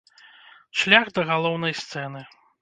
Шлях да галоўнай сцэны.